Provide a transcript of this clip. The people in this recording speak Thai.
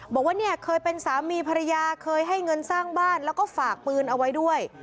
บอกว่าเนี่ยเคยเป็นสามีภรรยาเคยให้เงินสร้างบ้านแล้วก็ฝากปืนเอาไว้ด้วย